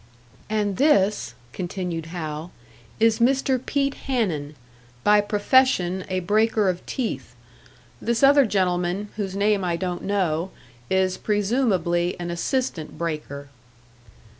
"And this," continued Hal, "is Mr. Pete Hanun, by profession a breaker of teeth. This other gentleman, whose name I don't know, is presumably an assistant breaker."